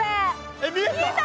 えっ見えた？